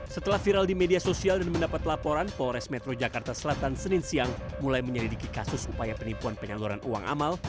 setelah viral di media sosial dan mendapat laporan polres metro jakarta selatan senin siang mulai menyelidiki kasus upaya penipuan penyaluran uang amal